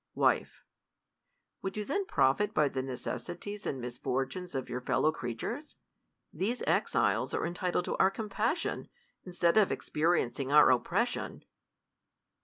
Wife, Would you then profit by the necessities and misfortunes of your fellow creatures ? These exiles are entitled to our compassion, instead of experiencing our oppression.